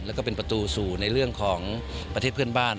แล้วก็เป็นประตูสู่ในเรื่องของประเทศเพื่อนบ้าน